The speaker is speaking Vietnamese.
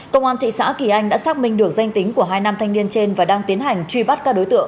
công an thị xã kỳ anh đã xác minh được danh tính của hai nam thanh niên trên và đang tiến hành truy bắt các đối tượng